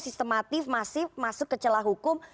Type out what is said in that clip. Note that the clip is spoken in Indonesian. sistematif masif masuk ke celah hukum